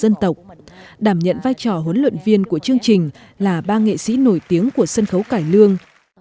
môn nghệ thuật dân tộc đảm nhận vai trò huấn luyện viên của chương trình là ba nghệ sĩ nổi tiếng của sân khấu cải lương